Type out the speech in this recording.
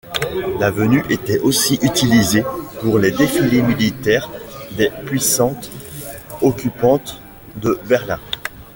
L'avenue était aussi utilisée pour les défilés militaires des puissances occupantes de Berlin.